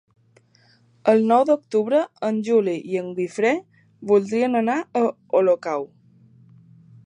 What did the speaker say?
El nou d'octubre en Juli i en Guifré voldrien anar a Olocau.